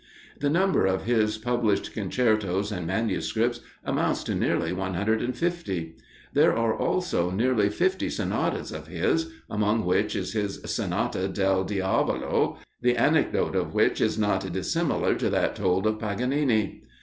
The number of his published concertos and manuscripts amounts to nearly one hundred and fifty. There are also nearly fifty sonatas of his, among which is his "Sonata del Diavolo," the anecdote of which is not dissimilar to that told of Paganini.